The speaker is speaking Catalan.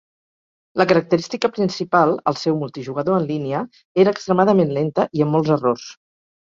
La característica principal, el seu multijugador en línia, era extremadament lenta i amb molts errors.